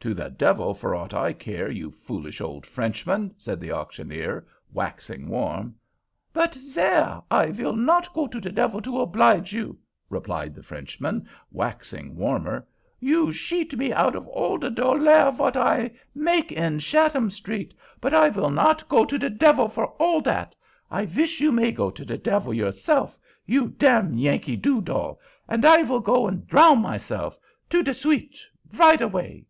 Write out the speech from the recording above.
"To the devil, for aught I care, you foolish old Frenchman!" said the auctioneer, waxing warm. "But, sare, I vill not go to de devil to oblige you!" replied the Frenchman, waxing warmer. "You sheat me out of all de dollar vot I make in Shatham Street; but I vill not go to de devil for all dat. I vish you may go to de devil yourself you dem yankee doo dell, and I vill go and drown myself, tout de suite, right avay."